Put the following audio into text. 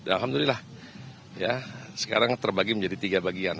alhamdulillah sekarang terbagi menjadi tiga bagian